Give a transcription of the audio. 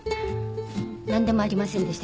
何でもありませんでした。